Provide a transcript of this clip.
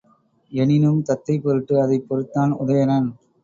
எனினும் தத்தை பொருட்டு அதைப் பொறுத்தான் உதயணன்.